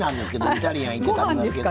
イタリアン行って食べますけど。